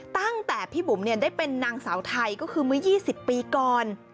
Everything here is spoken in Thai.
ตั้งแต่พี่บุ๋มได้เป็นนางสาวไทยก็คือเมื่อ๒๐ปีก่อน